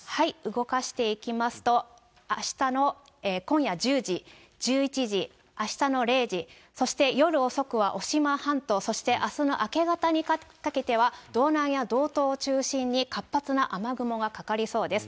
動かしていきますと、今夜１０時、１１時、あしたの０時、そして夜遅くは渡島半島、そしてあすの明け方にかけては道南や道東を中心に活発な雨雲がかかりそうです。